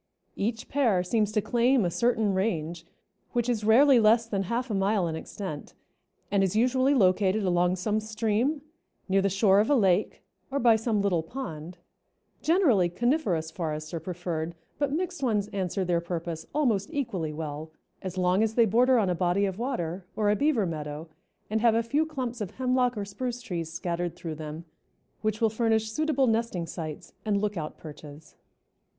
Each pair seems to claim a certain range, which is rarely less than half a mile in extent, and is usually located along some stream, near the shore of a lake, or by some little pond; generally coniferous forests are preferred, but mixed ones answer their purpose almost equally well as long as they border on a body of water or a beaver meadow and have a few clumps of hemlock or spruce trees scattered through them which will furnish suitable nesting sites and lookout perches.